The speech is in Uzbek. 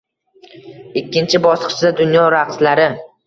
Ikkinchi bosqichda dunyo raqslari